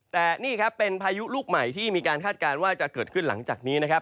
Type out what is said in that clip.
แต่นี่ครับเป็นพายุลูกใหม่ที่มีการคาดการณ์ว่าจะเกิดขึ้นหลังจากนี้นะครับ